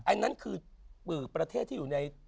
อันนั้นคือประเทศที่อยู่ใน